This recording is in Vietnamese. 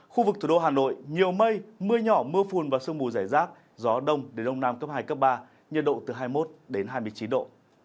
khu vực thủ đô hà nội nhiều mây mưa nhỏ mưa phùn và sương mù rải rác gió đông đến đông nam cấp hai cấp ba nhiệt độ từ hai mươi một hai mươi chín độ